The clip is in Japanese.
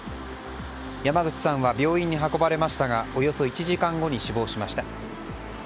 山口さんは病院に運ばれましたがおよそ１時間後に死亡しました。